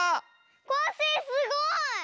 コッシーすごい！